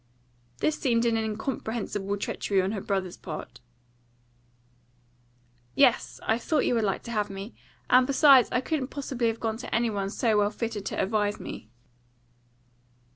This seemed an incomprehensible treachery on her brother's part. "Yes; I thought you would like to have me. And besides, I couldn't possibly have gone to any one so well fitted to advise me."